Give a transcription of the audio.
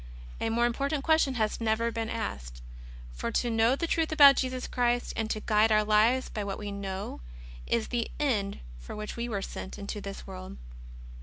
A more important question has never been asked; for, to know the truth about Jesus Christ, and to guide our lives by what w^e know, is the end for which we were sent into this world.